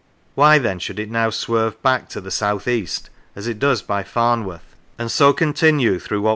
Why then should it now swerve back to the south east as it does by Farnworth, and so continue through what was once 116 ST.